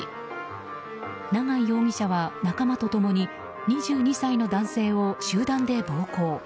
永井容疑者は仲間と共に２２歳の男性を集団で暴行。